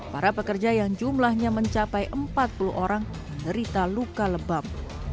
para pekerja yang jumlahnya mencapai empat puluh orang menderita luka lebam